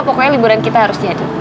pokoknya liburan kita harus jadi